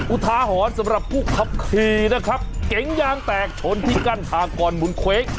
อุทาหรณ์สำหรับผู้ขับขี่นะครับเก๋งยางแตกชนที่กั้นทางก่อนหมุนเคว้ง